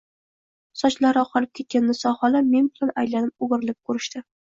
Sochlari oqarib ketgan Niso xola men bilan aylanib-o‘rgilib ko‘rishdi.